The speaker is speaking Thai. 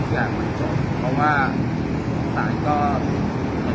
เดี๋ยวตันนละแรกคือให้เขาหยุด